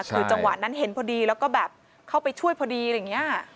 คือจังหวะนั้นเห็นพอดีแล้วก็แบบเข้าไปช่วยพอดีอะไรอย่างนี้